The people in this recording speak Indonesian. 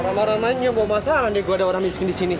orang orang lainnya mau masalah nih gue ada orang miskin di sini